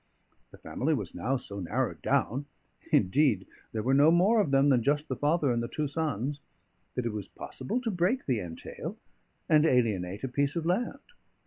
The family was now so narrowed down (indeed, there were no more of them than just the father and the two sons) that it was possible to break the entail and alienate a piece of land.